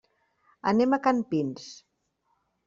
Anem a Campins.